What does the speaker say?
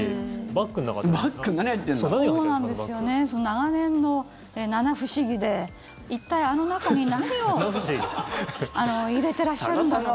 長年の七不思議で一体、あの中に何を入れてらっしゃるのか。